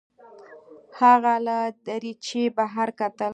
هغه له دریچې بهر کتل.